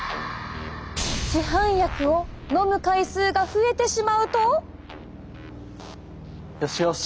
市販薬を飲む回数が増えてしまうと。